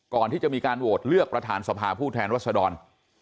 ก่อนที่จะมีการโหวตเลือกประธานสภาผู้แทนรัศดร